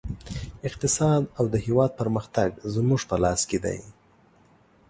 اقتصاد او د هېواد پرمختګ زموږ په لاس کې دی